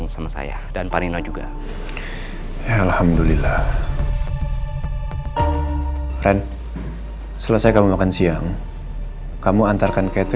sampai jumpa di video selanjutnya